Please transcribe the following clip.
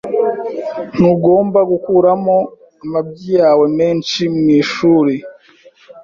Ntugomba gukuramo amabyi yawe menshi mwishuri.